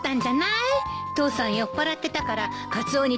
父さん酔っぱらってたからカツオに大金あげなくて。